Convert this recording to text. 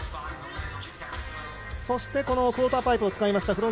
そして、クオーターパイプを使いました